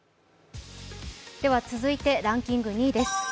続いてランキング２位です。